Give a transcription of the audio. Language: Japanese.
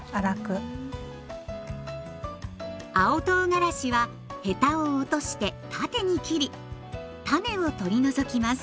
青とうがらしはヘタを落として縦に切り種を取り除きます。